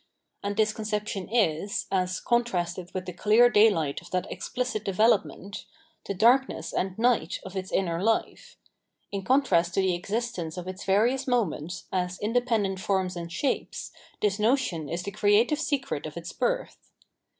And this conception is, as contrasted with the clear daylight of that explicit development, the darkness and night of its inner life ; in contrast to the existence of its various moments as independent forms and shapes, this notion is the creative secret of its birth.